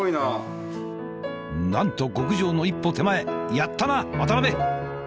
なんと極上の一歩手前、やったな、渡辺！